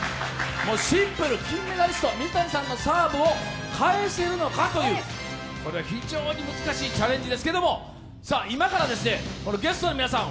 シンプル金メダリスト水谷さんのサーブを返せるのかというこれは非常に難しいチャレンジですけれども、今からゲストの皆さん